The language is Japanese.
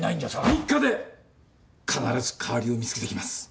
３日で必ず代わりを見つけてきます。